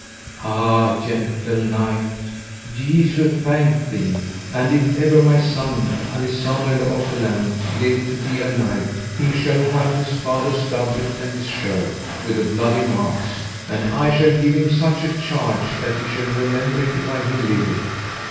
Ah, gentle knight, Jesu thank thee, and if ever my son, Alisander le Orphelin, live to be a knight, he shall have his father's doublet and his shirt with the bloody marks, and I shall give him such a charge that he shall remember it while he liveth.